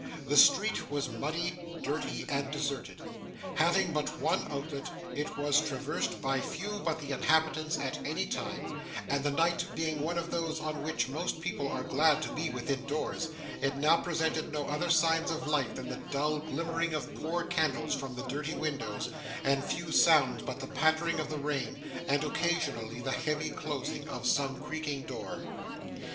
The street was muddy, dirty, and deserted. Having but one outlet, it was traversed by few but the inhabitants at any time; and the night being one of those on which most people are glad to be within doors, it now presented no other signs of life than the dull glimmering of poor candles from the dirty windows, and few sounds but the pattering of the rain, and occasionally the heavy closing of some creaking door.